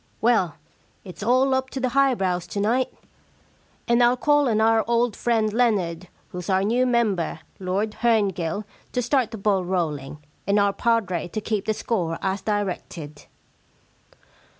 Well, it*s all up to the high brows to night. And Til call on our old friend Leonard, who's our new member, Lord Herngill, to start the ball rolling, and our padre to keep the score as directed.'